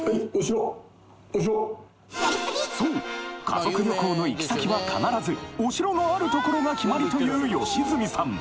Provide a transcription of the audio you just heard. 家族旅行の行き先は必ずお城のある所が決まりという良純さん